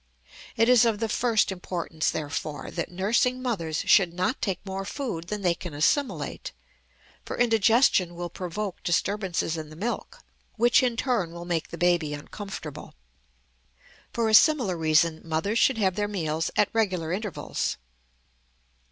It is of the first importance, therefore, that nursing mothers should not take more food than they can assimilate, for indigestion will provoke disturbances in the milk which in turn will make the baby uncomfortable. For a similar reason mothers should have their meals at regular intervals.